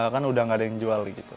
kan udah gak ada yang jual gitu